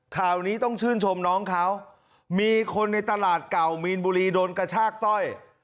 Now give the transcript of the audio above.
ข่าวนี้ต้องชื่นชมน้องเขามีคนในตลาดเก่ามีนบุรีโดนกระชากสร้อย